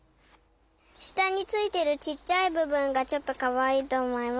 したについてるちっちゃいぶぶんがちょっとかわいいとおもいます。